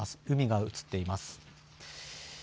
海が写っています。